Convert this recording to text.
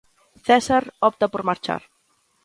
César opta por marchar.